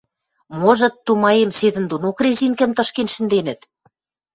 Можыт, тумаем, седӹндонок резинкӹм тышкен шӹнденӹт.